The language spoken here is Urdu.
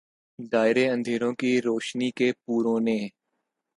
دائرے اندھیروں کے روشنی کے پوروں نے